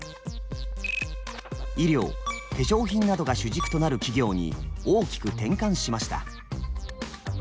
医療・化粧品などが主軸となる企業に大きく転換しました。